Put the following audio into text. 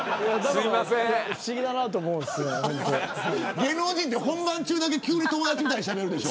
芸能人って本番中のときだけ急に友達みたいにしゃべるでしょ。